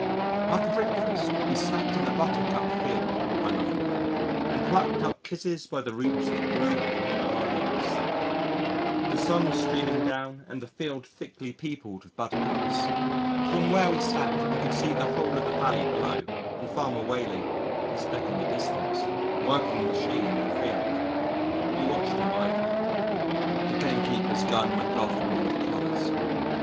After breakfast we sat in the Buttercup field my love and I and "plucked up kisses by the roots that grew upon our lips." The sun was streaming down and the field thickly peopled with Buttercups. From where we sat we could see the whole of the valley below and Farmer Whaley a speck in the distance working a machine in a field. We watched him idly. The gamekeeper's gun went off in one of the covers.